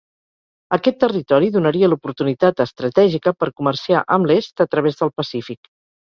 Aquest territori donaria l'oportunitat estratègica per comerciar amb l'est a través del Pacífic.